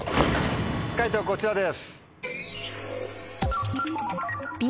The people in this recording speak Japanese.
解答こちらです。